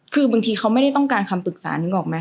คือบางทีเขาไม่ได้ต้องการคำปรึกษานึกออกไหม